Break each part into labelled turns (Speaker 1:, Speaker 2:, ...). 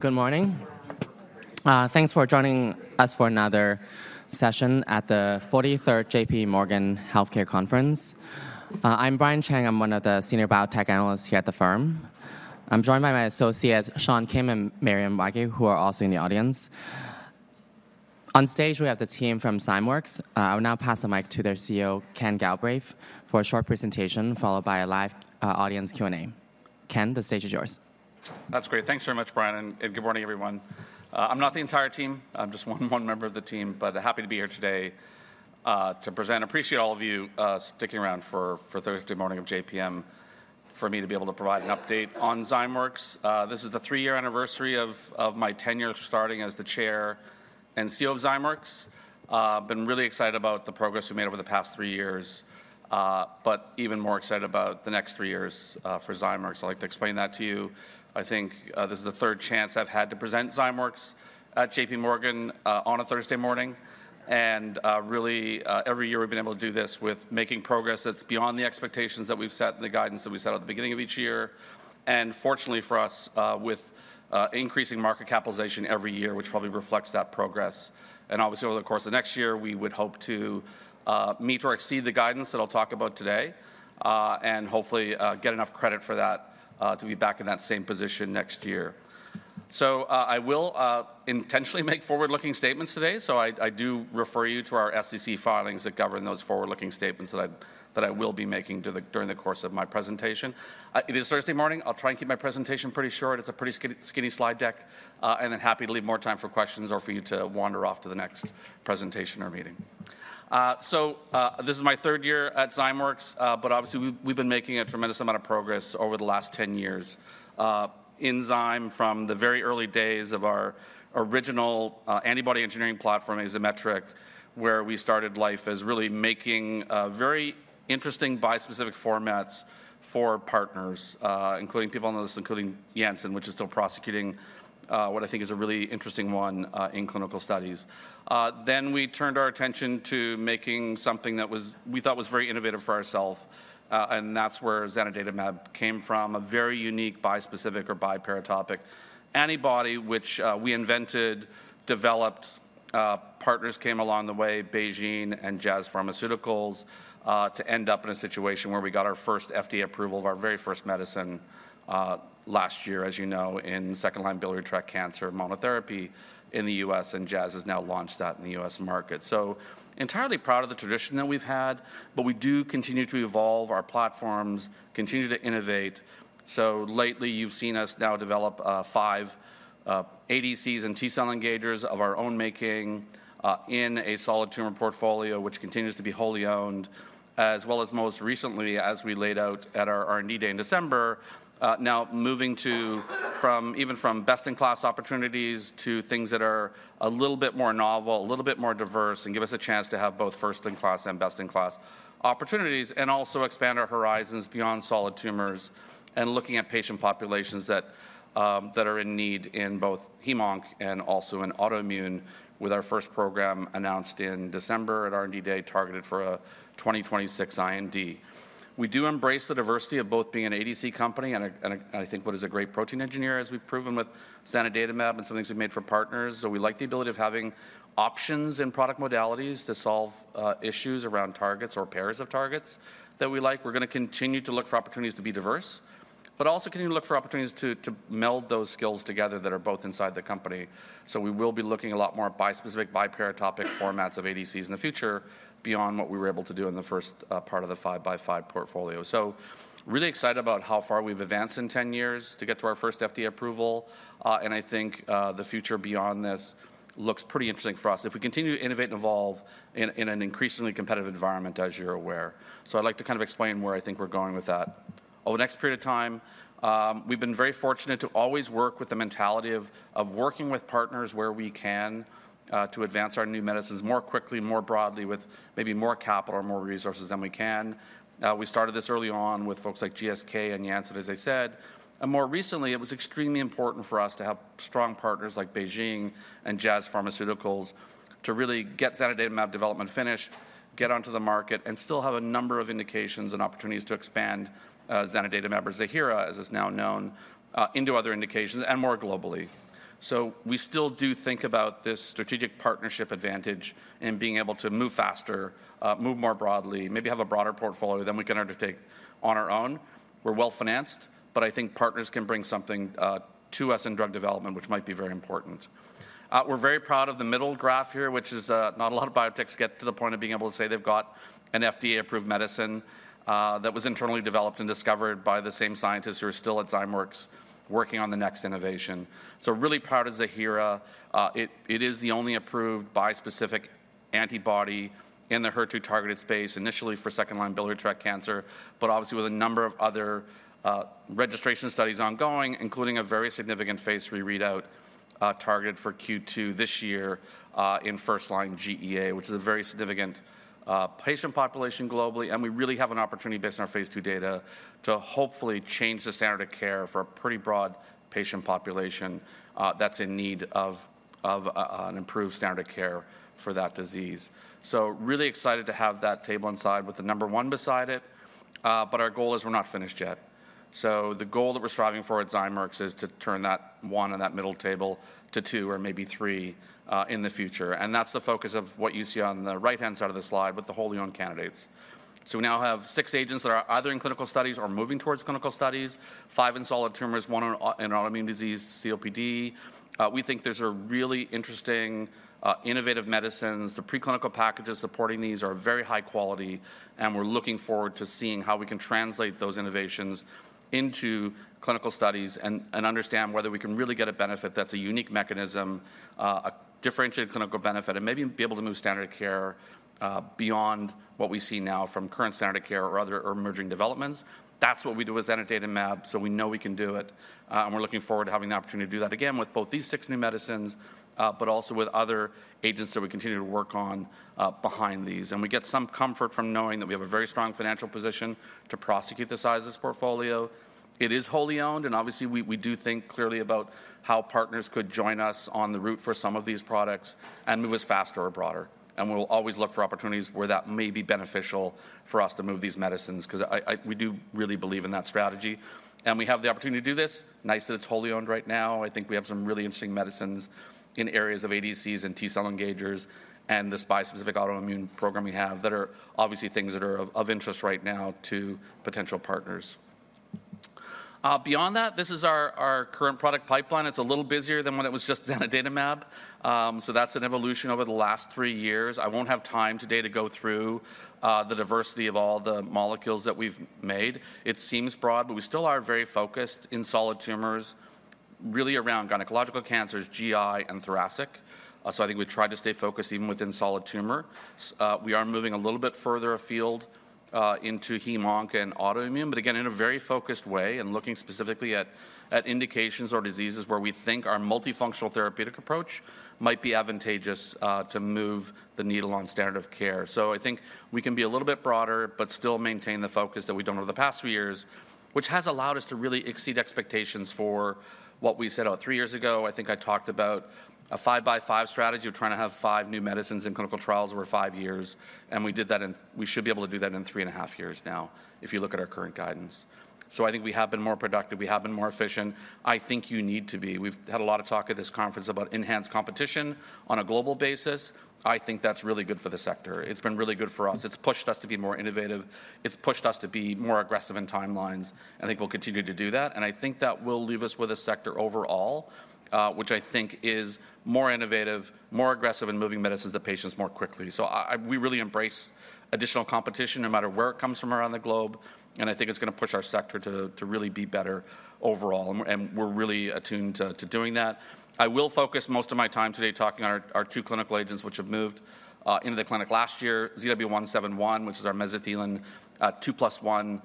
Speaker 1: Good morning. Thanks for joining us for another session at the 43rd JPMorgan Healthcare Conference. I'm Brian Cheng. I'm one of the senior biotech analysts here at the firm. I'm joined by my associates, Sean Kim and Maryam Wagheie, who are also in the audience. On stage, we have the team from Zymeworks. I'll now pass the mic to their CEO, Kenneth Galbraith, for a short presentation, followed by a live audience Q&A. Kenneth, the stage is yours.
Speaker 2: That's great. Thanks very much, Brian. And good morning, everyone. I'm not the entire team. I'm just one member of the team, but happy to be here today to present. I appreciate all of you sticking around for Thursday morning of JPM for me to be able to provide an update on Zymeworks. This is the three-year anniversary of my tenure starting as the Chair and CEO of Zymeworks. I've been really excited about the progress we've made over the past three years, but even more excited about the next three years for Zymeworks. I'd like to explain that to you. I think this is the third chance I've had to present Zymeworks at JPMorgan on a Thursday morning. Really, every year we've been able to do this with making progress that's beyond the expectations that we've set and the guidance that we set at the beginning of each year. Fortunately for us, with increasing market capitalization every year, which probably reflects that progress. Obviously, over the course of next year, we would hope to meet or exceed the guidance that I'll talk about today and hopefully get enough credit for that to be back in that same position next year. I will intentionally make forward-looking statements today. I do refer you to our SEC filings that govern those forward-looking statements that I will be making during the course of my presentation. It is Thursday morning. I'll try and keep my presentation pretty short. It's a pretty skinny slide deck. And then, happy to leave more time for questions or for you to wander off to the next presentation or meeting. So this is my third year at Zymeworks. But obviously, we've been making a tremendous amount of progress over the last 10 years in Zyme from the very early days of our original antibody engineering platform, Azymetric, where we started life as really making very interesting bispecific formats for partners, including people on the list, including Janssen, which is still prosecuting what I think is a really interesting one in clinical studies. Then we turned our attention to making something that we thought was very innovative for ourselves. And that's where zanidatamab came from, a very unique bispecific or biparatopic antibody, which we invented, developed. Partners came along the way, BeiGene and Jazz Pharmaceuticals, to end up in a situation where we got our first FDA approval of our very first medicine last year, as you know, in second-line biliary tract cancer monotherapy in the U.S. And Jazz has now launched that in the U.S. market. So entirely proud of the trajectory that we've had. But we do continue to evolve our platforms, continue to innovate. So lately, you've seen us now develop five ADCs and T-cell engagers of our own making in a solid tumor portfolio, which continues to be wholly owned, as well as most recently, as we laid out at our R&D day in December, now moving from even from best-in-class opportunities to things that are a little bit more novel, a little bit more diverse, and give us a chance to have both first-in-class and best-in-class opportunities, and also expand our horizons beyond solid tumors and looking at patient populations that are in need in both hem-onc and also in autoimmune with our first program announced in December at R&D day targeted for a 2026 IND. We do embrace the diversity of both being an ADC company and, I think, what is a great protein engineer, as we've proven with zanidatamab and some things we've made for partners. So we like the ability of having options and product modalities to solve issues around targets or pairs of targets that we like. We're going to continue to look for opportunities to be diverse, but also continue to look for opportunities to meld those skills together that are both inside the company. So we will be looking at a lot more bispecific, biparatopic formats of ADCs in the future beyond what we were able to do in the first part of the five-by-five portfolio. So really excited about how far we've advanced in 10 years to get to our first FDA approval. And I think the future beyond this looks pretty interesting for us if we continue to innovate and evolve in an increasingly competitive environment, as you're aware. So I'd like to kind of explain where I think we're going with that over the next period of time. We've been very fortunate to always work with the mentality of working with partners where we can to advance our new medicines more quickly, more broadly, with maybe more capital or more resources than we can. We started this early on with folks like GSK and Janssen, as I said, and more recently, it was extremely important for us to have strong partners like BeiGene and Jazz Pharmaceuticals to really get zanidatamab development finished, get onto the market, and still have a number of indications and opportunities to expand zanidatamab or Ziihera, as it's now known, into other indications and more globally, so we still do think about this strategic partnership advantage in being able to move faster, move more broadly, maybe have a broader portfolio than we can undertake on our own. We're well-financed, but I think partners can bring something to us in drug development, which might be very important. We're very proud of the middle graph here, which is not a lot of biotechs get to the point of being able to say they've got an FDA-approved medicine that was internally developed and discovered by the same scientists who are still at Zymeworks working on the next innovation. So really proud of Ziihera. It is the only approved bispecific antibody in the HER2-targeted space initially for second-line biliary tract cancer, but obviously with a number of other registration studies ongoing, including a very significant phase three readout targeted for Q2 this year in first-line GEA, which is a very significant patient population globally. We really have an opportunity based on our Phase 2 data to hopefully change the standard of care for a pretty broad patient population that's in need of an improved standard of care for that disease. We're really excited to have that table inside with the number one beside it. Our goal is we're not finished yet. The goal that we're striving for at Zymeworks is to turn that one in that middle table to two or maybe three in the future. That's the focus of what you see on the right-hand side of the slide with the wholly owned candidates. We now have six agents that are either in clinical studies or moving towards clinical studies, five in solid tumors, one in autoimmune disease, COPD. We think there's a really interesting innovative medicine. The preclinical packages supporting these are very high quality. We're looking forward to seeing how we can translate those innovations into clinical studies and understand whether we can really get a benefit that's a unique mechanism, a differentiated clinical benefit, and maybe be able to move standard of care beyond what we see now from current standard of care or other emerging developments. That's what we do with zanidatamab. We know we can do it. We're looking forward to having the opportunity to do that again with both these six new medicines, but also with other agents that we continue to work on behind these. We get some comfort from knowing that we have a very strong financial position to prosecute the size of this portfolio. It is wholly owned. And obviously, we do think clearly about how partners could join us on the route for some of these products and move us faster or broader. And we'll always look for opportunities where that may be beneficial for us to move these medicines because we do really believe in that strategy. And we have the opportunity to do this. It's nice that it's wholly owned right now. I think we have some really interesting medicines in areas of ADCs and T-cell engagers and this bispecific autoimmune program we have that are obviously things that are of interest right now to potential partners. Beyond that, this is our current product pipeline. It's a little busier than when it was just zanidatamab. So that's an evolution over the last three years. I won't have time today to go through the diversity of all the molecules that we've made. It seems broad, but we still are very focused in solid tumors, really around gynecological cancers, GI, and thoracic. So I think we've tried to stay focused even within solid tumor. We are moving a little bit further afield into hem-onc and autoimmune, but again, in a very focused way and looking specifically at indications or diseases where we think our multifunctional therapeutic approach might be advantageous to move the needle on standard of care. So I think we can be a little bit broader, but still maintain the focus that we've done over the past few years, which has allowed us to really exceed expectations for what we set out three years ago. I think I talked about a five-by-five strategy of trying to have five new medicines in clinical trials over five years. And we did that, and we should be able to do that in three and a half years now if you look at our current guidance. So I think we have been more productive. We have been more efficient. I think you need to be. We've had a lot of talk at this conference about enhanced competition on a global basis. I think that's really good for the sector. It's been really good for us. It's pushed us to be more innovative. It's pushed us to be more aggressive in timelines. I think we'll continue to do that. And I think that will leave us with a sector overall, which I think is more innovative, more aggressive in moving medicines to patients more quickly. So we really embrace additional competition no matter where it comes from around the globe. I think it's going to push our sector to really be better overall. We're really attuned to doing that. I will focus most of my time today talking about our two clinical agents, which have moved into the clinic last year, ZW171, which is our mesothelin two-plus-one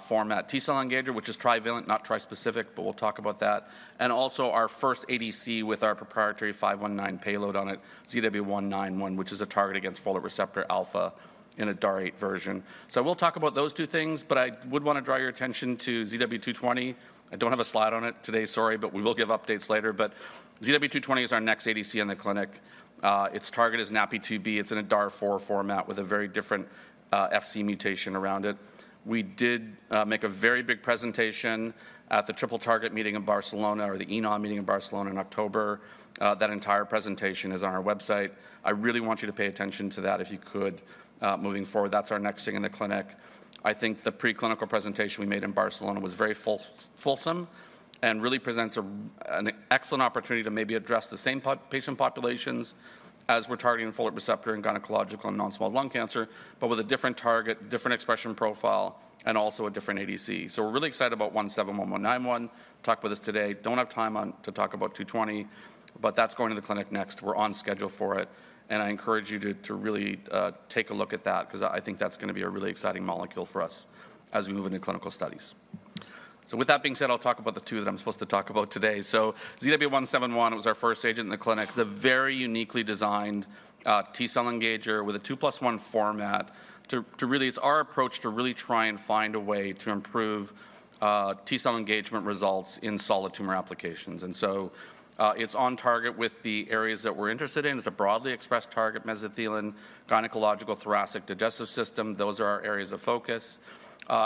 Speaker 2: format T-cell engager, which is trivalent, not trispecific, but we'll talk about that, and also our first ADC with our proprietary 519 payload on it, ZW191, which is a target against folate receptor alpha in a DAR-8 version. We'll talk about those two things, but I would want to draw your attention to ZW220. I don't have a slide on it today, sorry, but we will give updates later. ZW220 is our next ADC in the clinic. Its target is NaPi2b. It's in a DAR-4 format with a very different Fc mutation around it. We did make a very big presentation at the ENA meeting in Barcelona in October. That entire presentation is on our website. I really want you to pay attention to that if you could moving forward. That's our next thing in the clinic. I think the preclinical presentation we made in Barcelona was very fulsome and really presents an excellent opportunity to maybe address the same patient populations as we're targeting folate receptor in gynecological and non-small cell lung cancer, but with a different target, different expression profile, and also a different ADC. So we're really excited about 171, 191. Talked with us today. Don't have time to talk about 220, but that's going to the clinic next. We're on schedule for it. And I encourage you to really take a look at that because I think that's going to be a really exciting molecule for us as we move into clinical studies. So with that being said, I'll talk about the two that I'm supposed to talk about today. So ZW171 was our first agent in the clinic. It's a very uniquely designed T-cell engager with a two-plus-one format to really, it's our approach to really try and find a way to improve T-cell engagement results in solid tumor applications. And so it's on target with the areas that we're interested in. It's a broadly expressed target mesothelin, gynecological, thoracic, digestive system. Those are our areas of focus.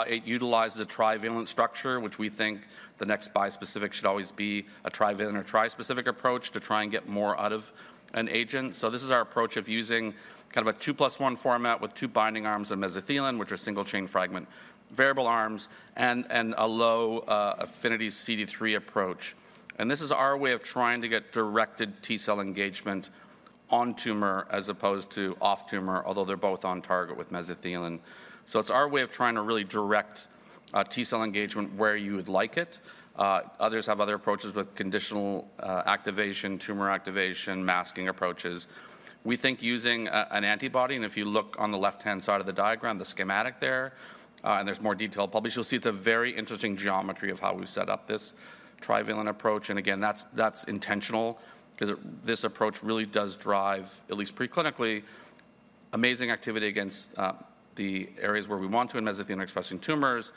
Speaker 2: It utilizes a trivalent structure, which we think the next bispecific should always be a trivalent or trispecific approach to try and get more out of an agent. This is our approach of using kind of a two-plus-one format with two binding arms of mesothelin, which are single-chain fragment variable arms and a low affinity CD3 approach. And this is our way of trying to get directed T-cell engagement on tumor as opposed to off tumor, although they're both on target with mesothelin. So it's our way of trying to really direct T-cell engagement where you would like it. Others have other approaches with conditional activation, tumor activation, masking approaches. We think using an antibody, and if you look on the left-hand side of the diagram, the schematic there, and there's more detail published, you'll see it's a very interesting geometry of how we've set up this trivalent approach. Again, that's intentional because this approach really does drive, at least preclinically, amazing activity against the areas where we want to in mesothelin-expressing tumors,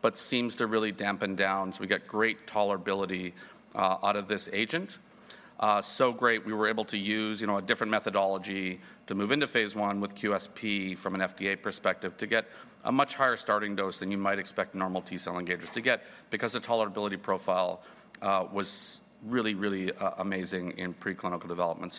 Speaker 2: but seems to really dampen down. We get great tolerability out of this agent. Great. We were able to use a different methodology to move into phase one with QSP from an FDA perspective to get a much higher starting dose than you might expect normal T-cell engagers to get because the tolerability profile was really, really amazing in preclinical development.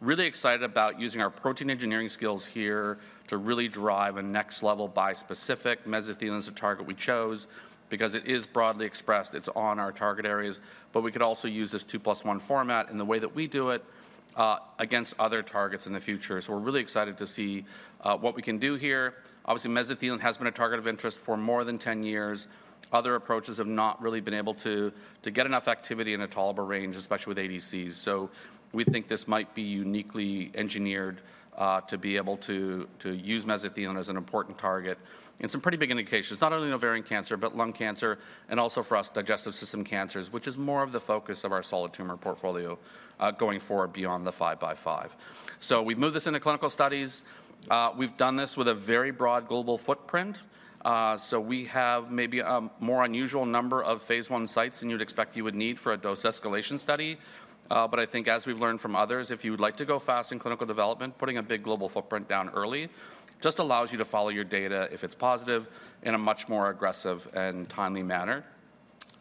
Speaker 2: Really excited about using our protein engineering skills here to really drive a next-level bispecific mesothelin as a target we chose because it is broadly expressed. It's on our target areas. We could also use this two-plus-one format in the way that we do it against other targets in the future. We're really excited to see what we can do here. Obviously, mesothelin has been a target of interest for more than 10 years. Other approaches have not really been able to get enough activity in a tolerable range, especially with ADCs. We think this might be uniquely engineered to be able to use mesothelin as an important target in some pretty big indications, not only ovarian cancer, but lung cancer, and also for us, digestive system cancers, which is more of the focus of our solid tumor portfolio going forward beyond the five-by-five. We've moved this into clinical studies. We've done this with a very broad global footprint. We have maybe a more unusual number of phase one sites than you'd expect you would need for a dose escalation study. I think as we've learned from others, if you would like to go fast in clinical development, putting a big global footprint down early just allows you to follow your data if it's positive in a much more aggressive and timely manner.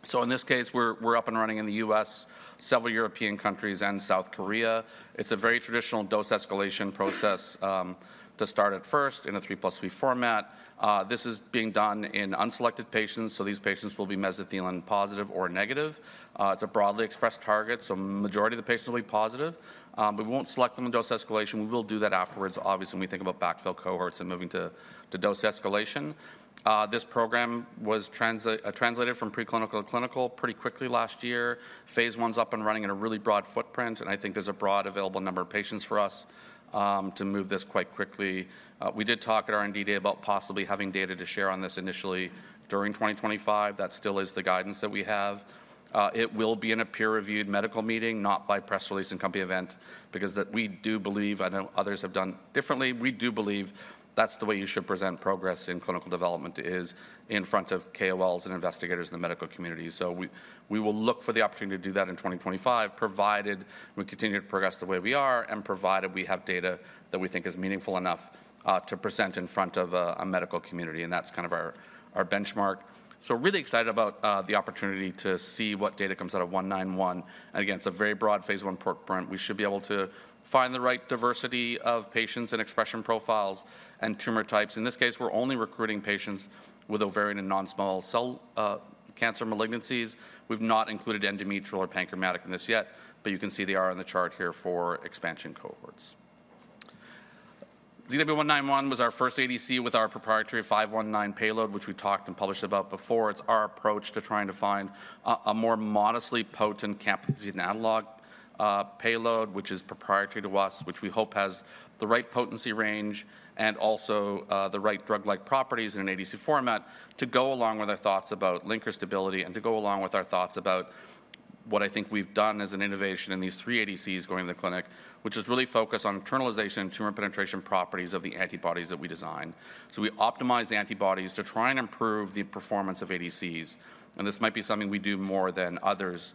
Speaker 2: So in this case, we're up and running in the U.S., several European countries, and South Korea. It's a very traditional dose escalation process to start at first in a three-plus-three format. This is being done in unselected patients. So these patients will be mesothelin positive or negative. It's a broadly expressed target. So majority of the patients will be positive. We won't select them on dose escalation. We will do that afterwards, obviously, when we think about backfill cohorts and moving to dose escalation. This program was translated from preclinical to clinical pretty quickly last year. Phase 1's up and running in a really broad footprint. And I think there's a broad available number of patients for us to move this quite quickly. We did talk at R&D day about possibly having data to share on this initially during 2025. That still is the guidance that we have. It will be in a peer-reviewed medical meeting, not by press release and company event, because we do believe, I know others have done differently. We do believe that's the way you should present progress in clinical development is in front of KOLs and investigators in the medical community. So we will look for the opportunity to do that in 2025, provided we continue to progress the way we are and provided we have data that we think is meaningful enough to present in front of a medical community. And that's kind of our benchmark. We're really excited about the opportunity to see what data comes out of ZW191. And again, it's a very broad phase 1 footprint. We should be able to find the right diversity of patients and expression profiles and tumor types. In this case, we're only recruiting patients with ovarian and non-small cell cancer malignancies. We've not included endometrial or pancreatic in this yet, but you can see they are on the chart here for expansion cohorts. ZW191 was our first ADC with our proprietary 519 payload, which we talked and published about before. It's our approach to trying to find a more modestly potent camptothecin analog payload, which is proprietary to us, which we hope has the right potency range and also the right drug-like properties in an ADC format to go along with our thoughts about linker stability and to go along with our thoughts about what I think we've done as an innovation in these three ADCs going into the clinic, which is really focused on internalization and tumor penetration properties of the antibodies that we design. So we optimize antibodies to try and improve the performance of ADCs. And this might be something we do more than others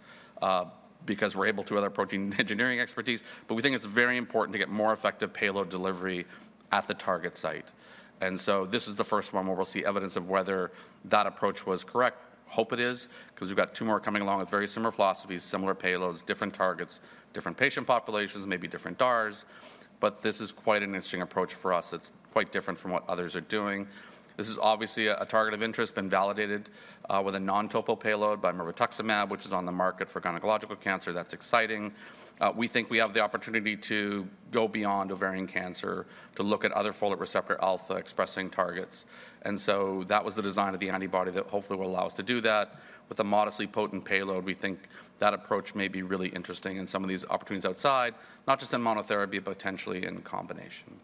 Speaker 2: because we're able to with our protein engineering expertise, but we think it's very important to get more effective payload delivery at the target site. And so this is the first one where we'll see evidence of whether that approach was correct. Hope it is, because we've got ZW191 coming along with very similar philosophies, similar payloads, different targets, different patient populations, maybe different DARs, but this is quite an interesting approach for us. It's quite different from what others are doing. This is obviously a target of interest, been validated with a non-topo payload by mirvetuximab, which is on the market for gynecological cancer. That's exciting. We think we have the opportunity to go beyond ovarian cancer to look at other folate receptor alpha-expressing targets, and so that was the design of the antibody that hopefully will allow us to do that. With a modestly potent payload, we think that approach may be really interesting in some of these opportunities outside, not just in monotherapy, but potentially in combination.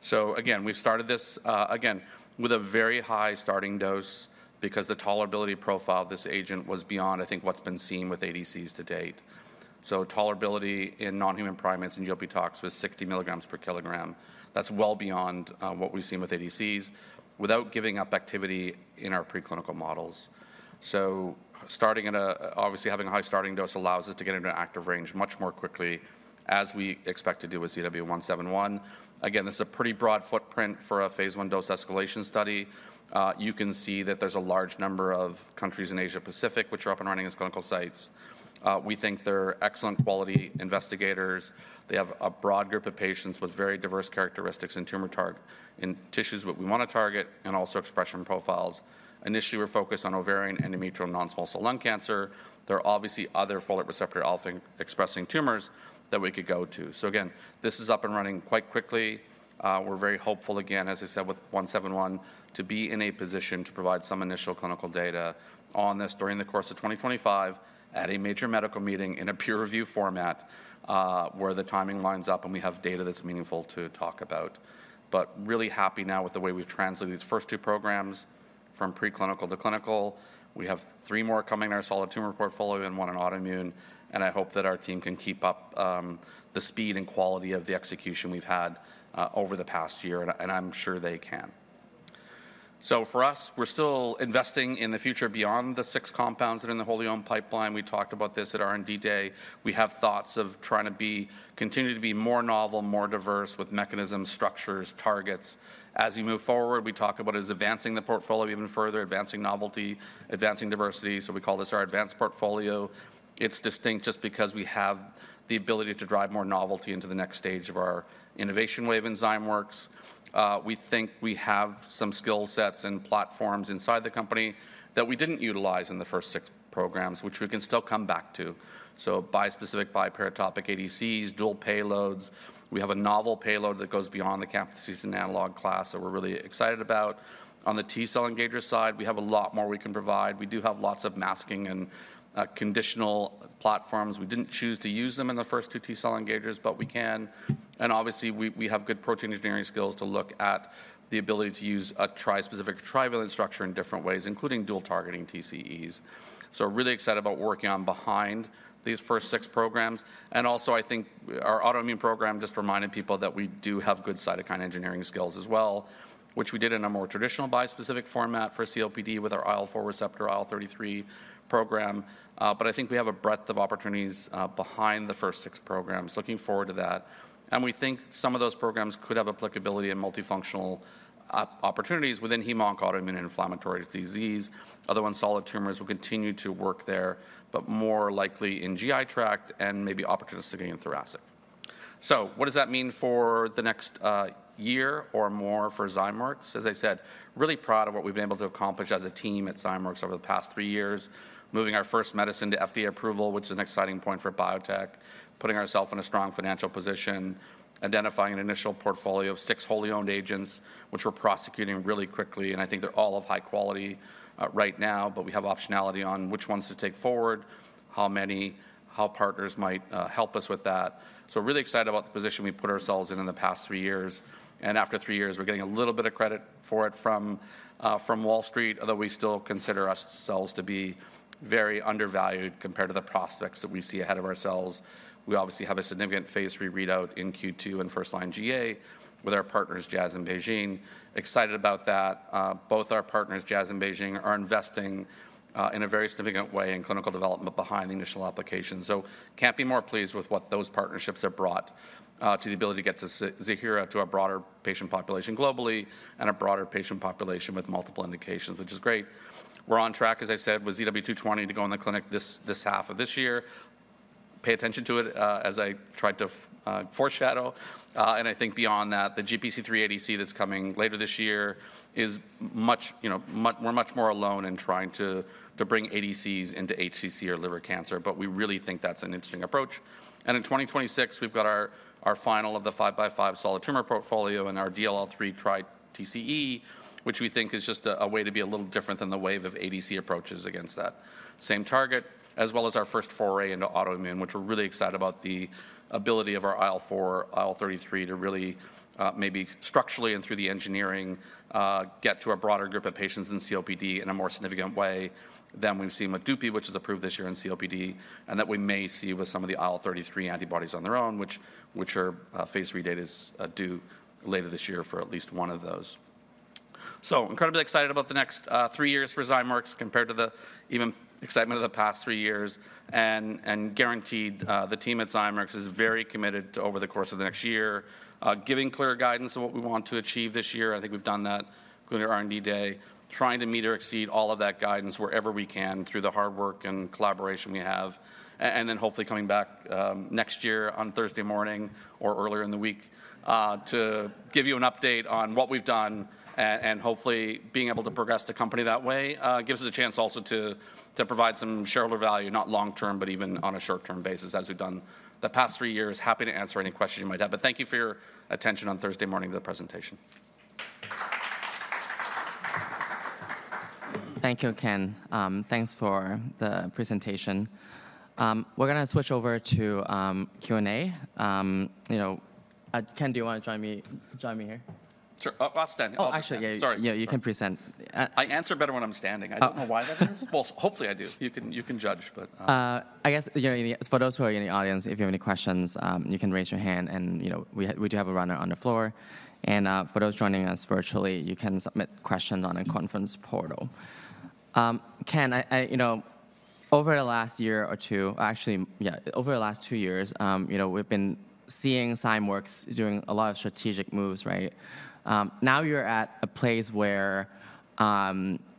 Speaker 2: So again, we've started this again with a very high starting dose because the tolerability profile of this agent was beyond, I think, what's been seen with ADCs to date. So tolerability in non-human primates and GLP-tox was 60 milligrams per kilogram. That's well beyond what we've seen with ADCs without giving up activity in our preclinical models. So starting at a, obviously, having a high starting dose allows us to get into an active range much more quickly as we expect to do with ZW171. Again, this is a pretty broad footprint for a phase one dose escalation study. You can see that there's a large number of countries in Asia-Pacific which are up and running as clinical sites. We think they're excellent quality investigators. They have a broad group of patients with very diverse characteristics and tumor target in tissues that we want to target and also expression profiles. Initially, we're focused on ovarian, endometrial, and non-small cell lung cancer. There are obviously other folate receptor alpha-expressing tumors that we could go to. So again, this is up and running quite quickly. We're very hopeful, again, as I said with 171, to be in a position to provide some initial clinical data on this during the course of 2025 at a major medical meeting in a peer review format where the timing lines up and we have data that's meaningful to talk about. But really happy now with the way we've translated these first two programs from preclinical to clinical. We have three more coming in our solid tumor portfolio and one in autoimmune. I hope that our team can keep up the speed and quality of the execution we've had over the past year, and I'm sure they can. For us, we're still investing in the future beyond the six compounds that are in the hem-onc pipeline. We talked about this at R&D Day. We have thoughts of trying to continue to be more novel, more diverse with mechanisms, structures, targets. As we move forward, we talk about it as advancing the portfolio even further, advancing novelty, advancing diversity. We call this our advanced portfolio. It's distinct just because we have the ability to drive more novelty into the next stage of our innovation wave in Zymeworks. We think we have some skill sets and platforms inside the company that we didn't utilize in the first six programs, which we can still come back to. So bispecific, biparatopic ADCs, dual payloads. We have a novel payload that goes beyond the camptothecin analog class that we're really excited about. On the T-cell engager side, we have a lot more we can provide. We do have lots of masking and conditional platforms. We didn't choose to use them in the first two T-cell engagers, but we can. And obviously, we have good protein engineering skills to look at the ability to use a trispecific, trivalent structure in different ways, including dual targeting TCEs. So we're really excited about working on behind these first six programs. And also, I think our autoimmune program just reminded people that we do have good cytokine engineering skills as well, which we did in a more traditional bispecific format for COPD with our IL-4 receptor, IL-33 program. But I think we have a breadth of opportunities behind the first six programs. Looking forward to that, and we think some of those programs could have applicability in multifunctional opportunities within hem-onc autoimmune inflammatory disease. Other ones, solid tumors, will continue to work there, but more likely in GI tract and maybe opportunistically in thoracic, so what does that mean for the next year or more for Zymeworks? As I said, really proud of what we've been able to accomplish as a team at Zymeworks over the past three years, moving our first medicine to FDA approval, which is an exciting point for biotech, putting ourself in a strong financial position, identifying an initial portfolio of six wholly owned agents, which we're prosecuting really quickly, and I think they're all of high quality right now, but we have optionality on which ones to take forward, how many, how partners might help us with that. We're really excited about the position we put ourselves in in the past three years. After three years, we're getting a little bit of credit for it from Wall Street, although we still consider ourselves to be very undervalued compared to the prospects that we see ahead of ourselves. We obviously have a significant phase three readout in Q2 and first line GA with our partners, Jazz and BeiGene. We're excited about that. Both our partners, Jazz and BeiGene, are investing in a very significant way in clinical development behind the initial application. We're pleased with what those partnerships have brought to the ability to get Ziihera to a broader patient population globally and a broader patient population with multiple indications, which is great. We're on track, as I said, with ZW220 to go in the clinic this half of this year. Pay attention to it as I tried to foreshadow. And I think beyond that, the GPC3 ADC that's coming later this year is much more alone in trying to bring ADCs into HCC or liver cancer. But we really think that's an interesting approach. In 2026, we've got our final of the five-by-five solid tumor portfolio and our DLL3 tri TCE, which we think is just a way to be a little different than the wave of ADC approaches against that same target, as well as our first foray into autoimmune, which we're really excited about the ability of our IL-4, IL-33 to really maybe structurally and through the engineering get to a broader group of patients in COPD in a more significant way than we've seen with Dupi, which is approved this year in COPD, and that we may see with some of the IL-33 antibodies on their own, which are phase three data is due later this year for at least one of those. Incredibly excited about the next three years for Zymeworks compared to the even excitement of the past three years. Guaranteed, the team at Zymeworks is very committed over the course of the next year, giving clear guidance on what we want to achieve this year. I think we've done that including R&D day, trying to meet or exceed all of that guidance wherever we can through the hard work and collaboration we have. Hopefully coming back next year on Thursday morning or earlier in the week to give you an update on what we've done and hopefully being able to progress the company that way gives us a chance also to provide some shareholder value, not long term, but even on a short term basis as we've done the past three years. Happy to answer any questions you might have. Thank you for your attention on Thursday morning to the presentation.
Speaker 1: Thank you, Kenneth. Thanks for the presentation. We're going to switch over to Q&A. Kenneth, do you want to join me here?
Speaker 2: Sure. I'll stand.
Speaker 1: Oh, actually, yeah, yeah, you can present.
Speaker 2: I answer better when I'm standing. I don't know why that is, well, hopefully I do. You can judge, but.
Speaker 1: I guess for those who are in the audience, if you have any questions, you can raise your hand, and we do have a runner on the floor, and for those joining us virtually, you can submit questions on a conference portal. Kenneth, over the last year or two, actually, yeah, over the last two years, we've been seeing Zymeworks doing a lot of strategic moves. Now you're at a place where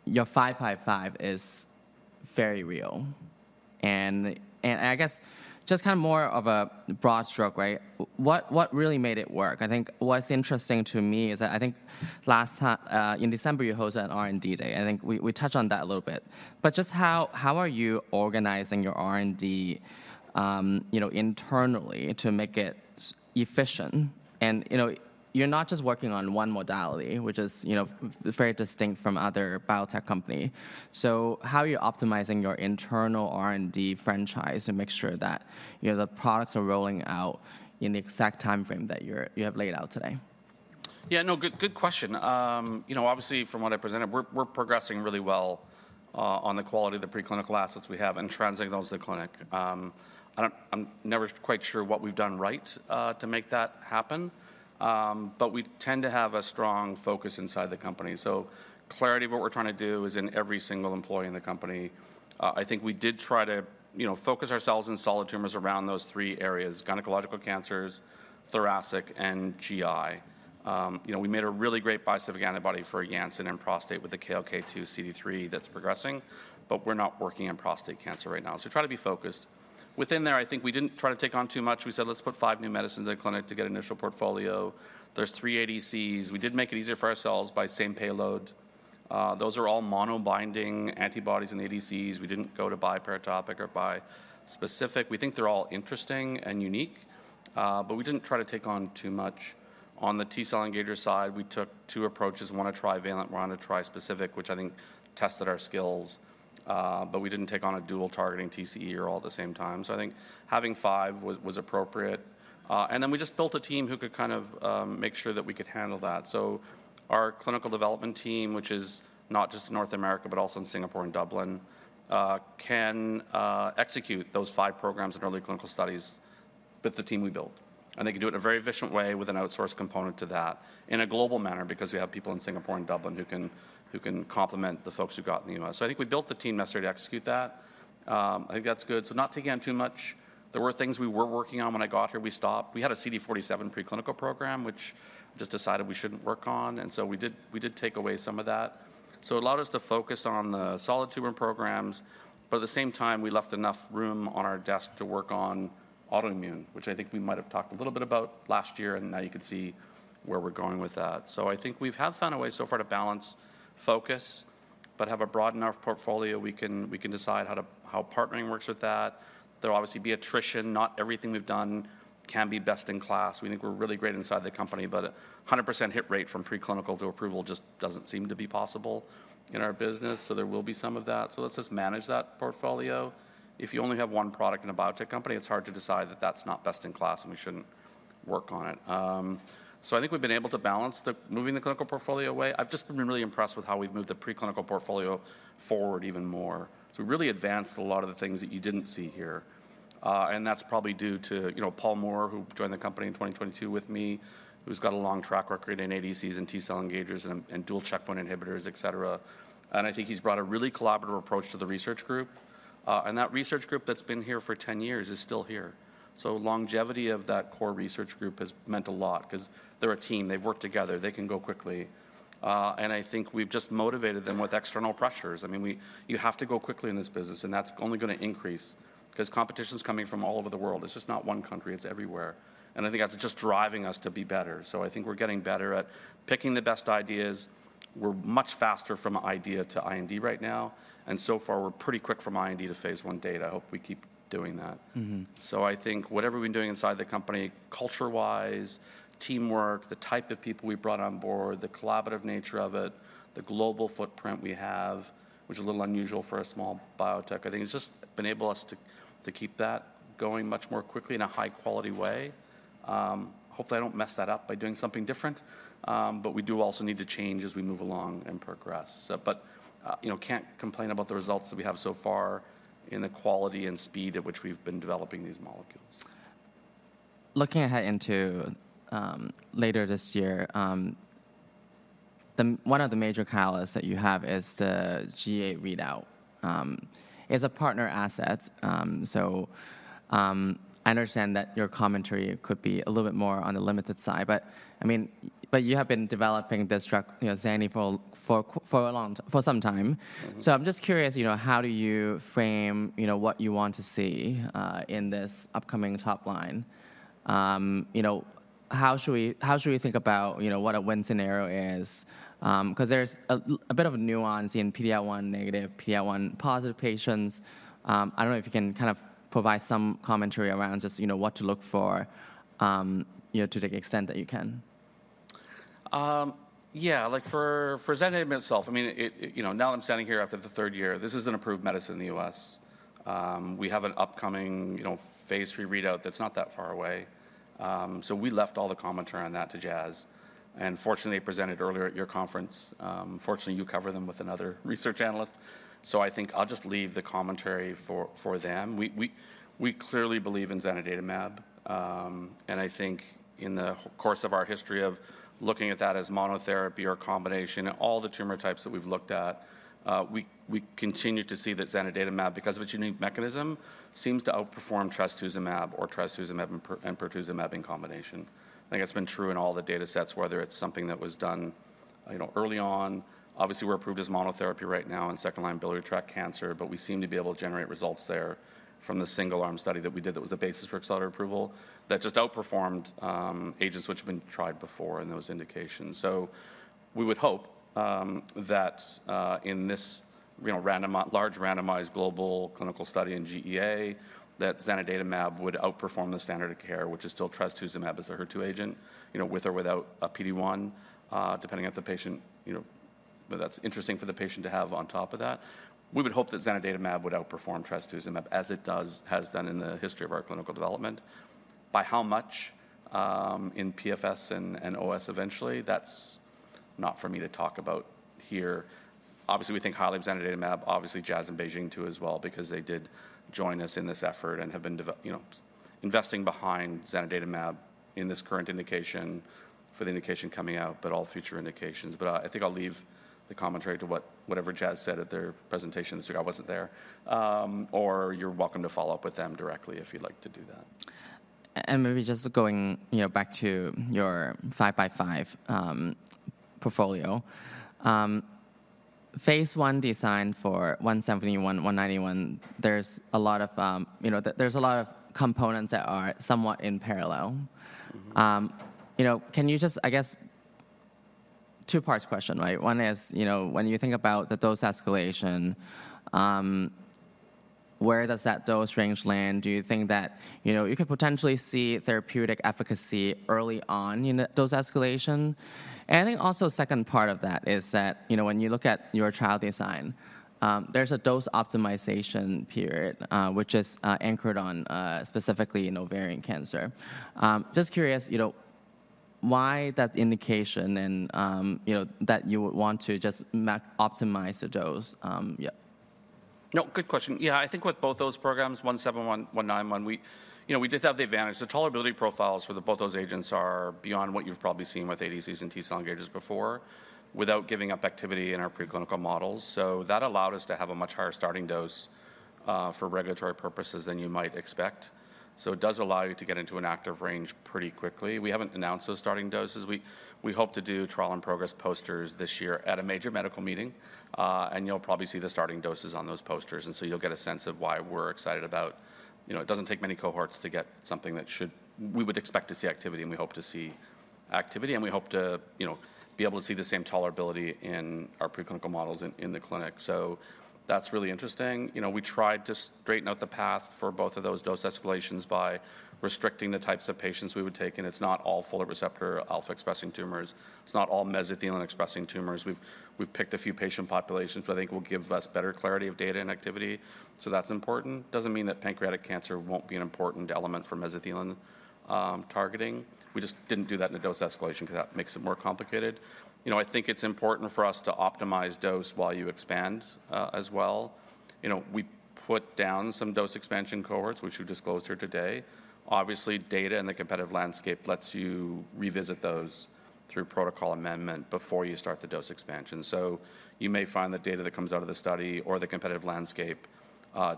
Speaker 1: your five-by-five is very real, and I guess just kind of more of a broad stroke, what really made it work? I think what's interesting to me is that I think last time in December, you hosted an R&D day. I think we touched on that a little bit, but just how are you organizing your R&D internally to make it efficient, and you're not just working on one modality, which is very distinct from other biotech company. So how are you optimizing your internal R&D franchise to make sure that the products are rolling out in the exact time frame that you have laid out today?
Speaker 2: Yeah, no, good question. Obviously, from what I presented, we're progressing really well on the quality of the preclinical assets we have and transitioning those to the clinic. I'm never quite sure what we've done right to make that happen, but we tend to have a strong focus inside the company, so clarity of what we're trying to do is in every single employee in the company. I think we did try to focus ourselves in solid tumors around those three areas, gynecological cancers, thoracic, and GI. We made a really great bispecific antibody for Janssen and prostate with the KLK2 CD3 that's progressing, but we're not working on prostate cancer right now, so try to be focused. Within there, I think we didn't try to take on too much. We said, let's put five new medicines in the clinic to get initial portfolio. There's three ADCs. We did make it easier for ourselves by same payload. Those are all monobinding antibodies and ADCs. We didn't go to biparatopic or bispecific. We think they're all interesting and unique, but we didn't try to take on too much. On the T-cell engager side, we took two approaches. One a trivalent, one a trispecific, which I think tested our skills, but we didn't take on a dual targeting TCE or all at the same time. So I think having five was appropriate. And then we just built a team who could kind of make sure that we could handle that. So our clinical development team, which is not just in North America, but also in Singapore and Dublin, can execute those five programs in early clinical studies with the team we built. And they can do it in a very efficient way with an outsourced component to that in a global manner because we have people in Singapore and Dublin who can complement the folks who got in the US. So I think we built the team necessary to execute that. I think that's good. So not taking on too much. There were things we were working on when I got here. We stopped. We had a CD47 preclinical program, which just decided we shouldn't work on. And so we did take away some of that. So it allowed us to focus on the solid tumor programs, but at the same time, we left enough room on our desk to work on autoimmune, which I think we might have talked a little bit about last year, and now you can see where we're going with that. I think we have found a way so far to balance focus, but have a broad enough portfolio. We can decide how partnering works with that. There'll obviously be attrition. Not everything we've done can be best in class. We think we're really great inside the company, but 100% hit rate from preclinical to approval just doesn't seem to be possible in our business. So there will be some of that. So let's just manage that portfolio. If you only have one product in a biotech company, it's hard to decide that that's not best in class and we shouldn't work on it. So I think we've been able to balance moving the clinical portfolio away. I've just been really impressed with how we've moved the preclinical portfolio forward even more. So we really advanced a lot of the things that you didn't see here. And that's probably due to Paul Moore, who joined the company in 2022 with me, who's got a long track record in ADCs and T-cell engagers and dual checkpoint inhibitors, et cetera. And I think he's brought a really collaborative approach to the research group. And that research group that's been here for 10 years is still here. So longevity of that core research group has meant a lot because they're a team. They've worked together. They can go quickly. And I think we've just motivated them with external pressures. I mean, you have to go quickly in this business, and that's only going to increase because competition's coming from all over the world. It's just not one country. It's everywhere. And I think that's just driving us to be better. So I think we're getting better at picking the best ideas. We're much faster from idea to IND right now, and so far, we're pretty quick from IND to phase 1 data. I hope we keep doing that, so I think whatever we've been doing inside the company, culture-wise, teamwork, the type of people we brought on board, the collaborative nature of it, the global footprint we have, which is a little unusual for a small biotech, I think has just been able to keep that going much more quickly in a high-quality way. Hopefully, I don't mess that up by doing something different, but we do also need to change as we move along and progress, but can't complain about the results that we have so far in the quality and speed at which we've been developing these molecules.
Speaker 1: Looking ahead into later this year, one of the major catalysts that you have is the GEA readout. It's a partner asset. So I understand that your commentary could be a little bit more on the limited side, but you have been developing this Zymeworks for some time. So I'm just curious, how do you frame what you want to see in this upcoming top line? How should we think about what a win scenario is? Because there's a bit of nuance in PD-1 negative, PD-1 positive patients. I don't know if you can kind of provide some commentary around just what to look for to the extent that you can.
Speaker 2: Yeah, for Zymeworks itself, I mean, now that I'm standing here after the third year, this is an approved medicine in the U.S. We have an upcoming phase three readout that's not that far away. So we left all the commentary on that to Jazz. And fortunately, they presented earlier at your conference. Fortunately, you cover them with another research analyst. So I think I'll just leave the commentary for them. We clearly believe in Zymeworks. And I think in the course of our history of looking at that as monotherapy or combination, all the tumor types that we've looked at, we continue to see that Zymeworks because of its unique mechanism seems to outperform trastuzumab or trastuzumab and pertuzumab in combination. I think it's been true in all the data sets, whether it's something that was done early on. Obviously, we're approved as monotherapy right now in second-line biliary tract cancer, but we seem to be able to generate results there from the single-arm study that we did that was the basis for accelerated approval that just outperformed agents which have been tried before in those indications, so we would hope that in this large randomized global clinical study in GEA, that zanidatamab would outperform the standard of care, which is still trastuzumab as a HER2 agent with or without a PD-1, depending on if the patient, but that's interesting for the patient to have on top of that. We would hope that zanidatamab would outperform trastuzumab as it has done in the history of our clinical development. By how much in PFS and OS eventually, that's not for me to talk about here. Obviously, we think highly of Zymeworks, obviously Jazz and BeiGene too as well because they did join us in this effort and have been investing behind Zymeworks in this current indication for the indication coming out, but all future indications. But I think I'll leave the commentary to whatever Jazz said at their presentation this year. I wasn't there. Or you're welcome to follow up with them directly if you'd like to do that.
Speaker 1: Maybe just going back to your five-by-five portfolio, phase 1 design for 171, 191, there's a lot of components that are somewhat in parallel. Can you just, I guess, two-part question, right? One is when you think about the dose escalation, where does that dose range land? Do you think that you could potentially see therapeutic efficacy early on in the dose escalation? And I think also second part of that is that when you look at your trial design, there's a dose optimization period, which is anchored on specifically ovarian cancer. Just curious, why that indication that you would want to just optimize the dose?
Speaker 2: No, good question. Yeah, I think with both those programs, 171, 191, we did have the advantage. The tolerability profiles for both those agents are beyond what you've probably seen with ADCs and T-cell engagers before without giving up activity in our preclinical models. So that allowed us to have a much higher starting dose for regulatory purposes than you might expect. So it does allow you to get into an active range pretty quickly. We haven't announced those starting doses. We hope to do trial and progress posters this year at a major medical meeting. And you'll probably see the starting doses on those posters. And so you'll get a sense of why we're excited about it. It doesn't take many cohorts to get something that we would expect to see activity, and we hope to see activity, and we hope to be able to see the same tolerability in our preclinical models in the clinic. So that's really interesting. We tried to straighten out the path for both of those dose escalations by restricting the types of patients we would take. And it's not all folate receptor alpha-expressing tumors. It's not all mesothelin-expressing tumors. We've picked a few patient populations who I think will give us better clarity of data and activity. So that's important. It doesn't mean that pancreatic cancer won't be an important element for mesothelin targeting. We just didn't do that in the dose escalation because that makes it more complicated. I think it's important for us to optimize dose while you expand as well. We put down some dose expansion cohorts, which we disclosed here today. Obviously, data and the competitive landscape lets you revisit those through protocol amendment before you start the dose expansion, so you may find the data that comes out of the study or the competitive landscape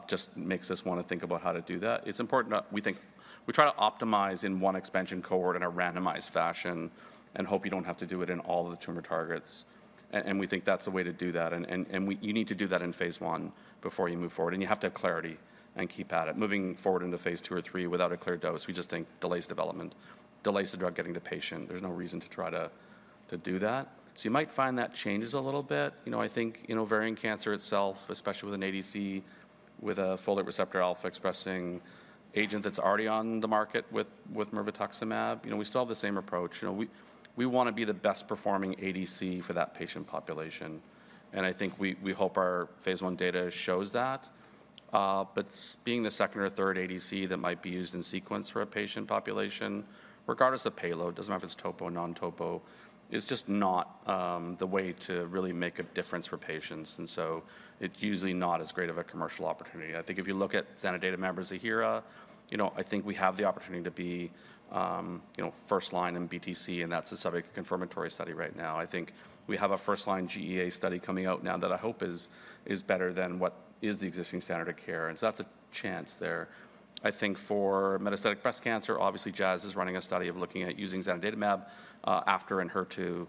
Speaker 2: just makes us want to think about how to do that. It's important that we think we try to optimize in one expansion cohort in a randomized fashion and hope you don't have to do it in all of the tumor targets, and we think that's the way to do that. You need to do that in phase one before you move forward. You have to have clarity and keep at it. Moving forward into phase two or three without a clear dose, we just think delays development, delays the drug getting to patient. There's no reason to try to do that. So you might find that changes a little bit. I think ovarian cancer itself, especially with an ADC with a folate receptor alpha-expressing agent that's already on the market with mirvetuximab, we still have the same approach. We want to be the best performing ADC for that patient population. And I think we hope our phase one data shows that. But being the second or third ADC that might be used in sequence for a patient population, regardless of payload, doesn't matter if it's topo or non-topo, is just not the way to really make a difference for patients. And so it's usually not as great of a commercial opportunity. I think if you look at Zymeworks in HER2, I think we have the opportunity to be first line in BTC, and that's the subject of confirmatory study right now. I think we have a first line GEA study coming out now that I hope is better than what is the existing standard of care, and so that's a chance there. I think for metastatic breast cancer, obviously, Jazz is running a study of looking at using zanidatamab after anti-HER2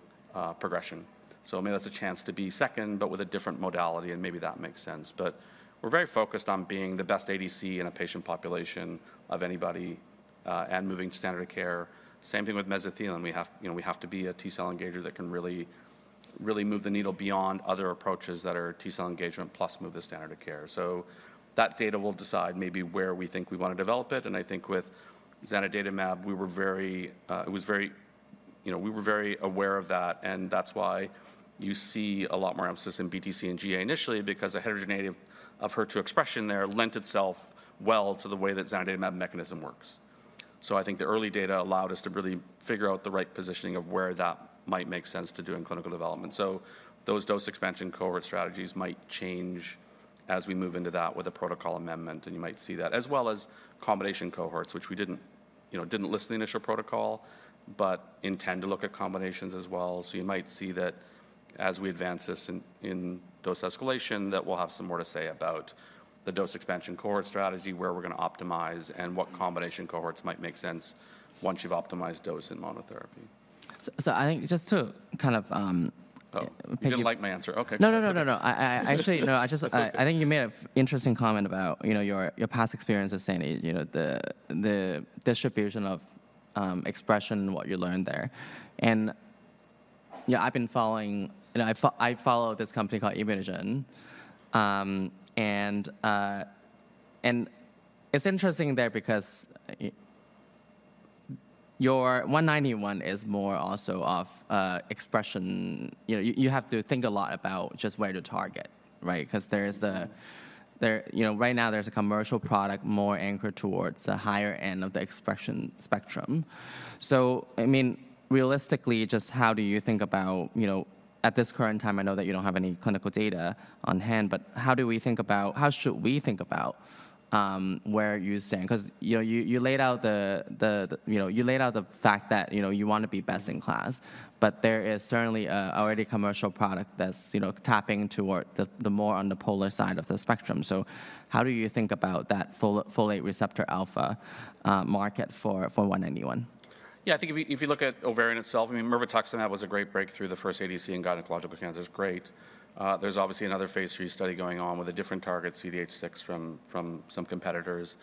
Speaker 2: progression. So maybe that's a chance to be second, but with a different modality, and maybe that makes sense. But we're very focused on being the best ADC in a patient population of anybody and moving to standard of care. Same thing with mesothelin. We have to be a T-cell engager that can really move the needle beyond other approaches that are T-cell engagement plus move the standard of care. So that data will decide maybe where we think we want to develop it. And I think with Zymeworks, we were very aware of that. And that's why you see a lot more emphasis in BTC and GEA initially because the heterogeneity of HER2 expression there lent itself well to the way that Zymeworks mechanism works. So I think the early data allowed us to really figure out the right positioning of where that might make sense to do in clinical development. So those dose expansion cohort strategies might change as we move into that with a protocol amendment, and you might see that, as well as combination cohorts, which we didn't list in the initial protocol, but intend to look at combinations as well. So you might see that as we advance this in dose escalation, that we'll have some more to say about the dose expansion cohort strategy, where we're going to optimize and what combination cohorts might make sense once you've optimized dose and monotherapy.
Speaker 1: I think just to kind of.
Speaker 2: You didn't like my answer. Okay.
Speaker 1: No, no, no, no, no. I think you made an interesting comment about your past experience with Zymeworks, the distribution of expression and what you learned there. And I've been following, I follow this company called ImmunoGen. And it's interesting there because your 191 is more also of expression. You have to think a lot about just where to target, right? Because right now there's a commercial product more anchored towards the higher end of the expression spectrum. So I mean, realistically, just how do you think about, at this current time, I know that you don't have any clinical data on hand, but how do we think about, how should we think about where you stand? Because you laid out the fact that you want to be best in class, but there is certainly already a commercial product that's tapping toward the more polar side of the spectrum. So how do you think about that folate receptor alpha market for 191?
Speaker 2: Yeah, I think if you look at ovarian itself, I mean, mirvetuximab was a great breakthrough, the first ADC in gynecological cancer, great. There's obviously another phase three study going on with a different target, CDH6, from some competitors,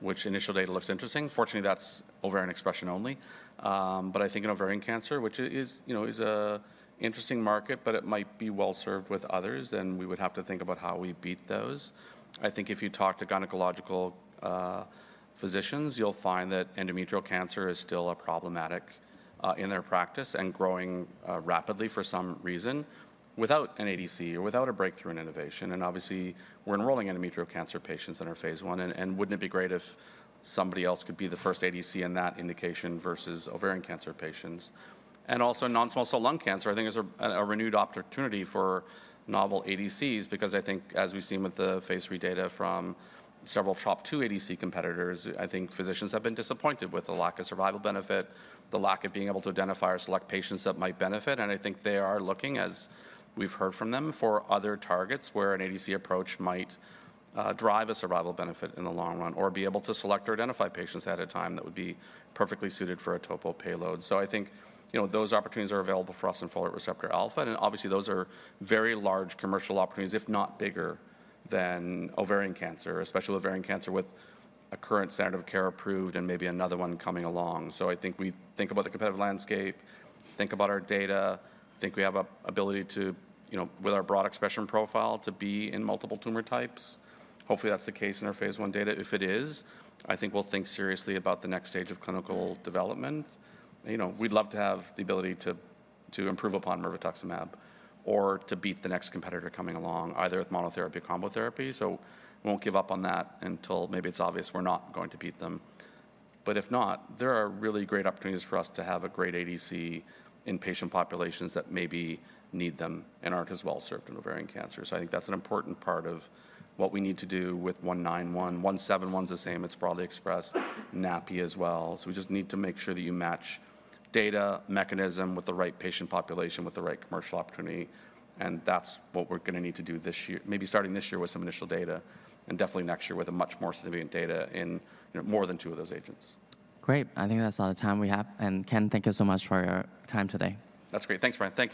Speaker 2: which initial data looks interesting. Fortunately, that's ovarian expression only. But I think in ovarian cancer, which is an interesting market, but it might be well served with others, then we would have to think about how we beat those. I think if you talk to gynecological physicians, you'll find that endometrial cancer is still problematic in their practice and growing rapidly for some reason without an ADC or without a breakthrough in innovation. And obviously, we're enrolling endometrial cancer patients in our phase one. And wouldn't it be great if somebody else could be the first ADC in that indication versus ovarian cancer patients? And also, non-small cell lung cancer, I think, is a renewed opportunity for novel ADCs because I think, as we've seen with the phase three data from several TROP2 ADC competitors, I think physicians have been disappointed with the lack of survival benefit, the lack of being able to identify or select patients that might benefit. And I think they are looking, as we've heard from them, for other targets where an ADC approach might drive a survival benefit in the long run or be able to select or identify patients at a time that would be perfectly suited for a topo payload. So I think those opportunities are available for us in folate receptor alpha. And obviously, those are very large commercial opportunities, if not bigger than ovarian cancer, especially ovarian cancer with a current standard of care approved and maybe another one coming along. So I think we think about the competitive landscape, think about our data, think we have an ability with our broad expression profile to be in multiple tumor types. Hopefully, that's the case in our phase one data. If it is, I think we'll think seriously about the next stage of clinical development. We'd love to have the ability to improve upon mirvetuximab or to beat the next competitor coming along, either with monotherapy or combo therapy. So we won't give up on that until maybe it's obvious we're not going to beat them. But if not, there are really great opportunities for us to have a great ADC in patient populations that maybe need them and aren't as well served in ovarian cancer. So I think that's an important part of what we need to do with 191. 171 is the same. It's broadly expressed. NaPi as well. So we just need to make sure that you match data mechanism with the right patient population with the right commercial opportunity. And that's what we're going to need to do this year, maybe starting this year with some initial data and definitely next year with much more significant data in more than two of those agents.
Speaker 1: Great. I think that's all the time we have, and Kenneth, thank you so much for your time today.
Speaker 2: That's great. Thanks, Brian. Thank you.